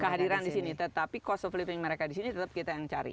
kehadiran di sini tetapi cost of living mereka di sini tetap kita yang cari